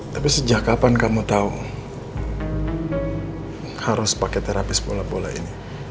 tapi sejak kapan kamu tahu harus pakai terapis bola bola ini